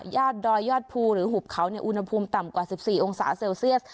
ยาดดอยยาดภูหรือหุบเขาเนี่ยอุณหภูมิต่ำกว่าสิบสี่องศาเซลเซียส